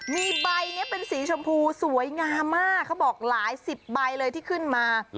มีใบนี้เป็นสีชมพูสวยงามมากเขาบอกหลายสิบใบเลยที่ขึ้นมา